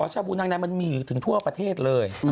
ชาบูนางในมันมีอยู่ถึงทั่วประเทศเลย